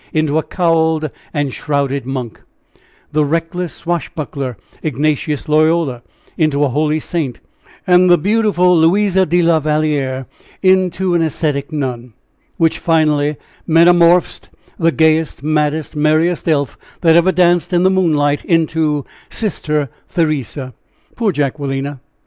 into a cowled and shrouded monk; the reckless swashbuckler, Ignatius Loyola, into a holy saint, and the beautiful Louise de la Valliere into an ascetic nun; which finally metamorphosed the gayest, maddest, merriest elf that ever danced in the moonlight into Sister Theresa. Poor Jacquelina!